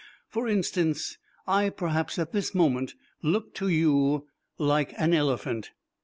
For instance, I perhaps at this moment look to you like an elephant."